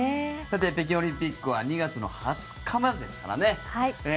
北京オリンピックは２月２０日までですからね。